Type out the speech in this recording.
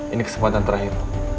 ini kesempatan terakhir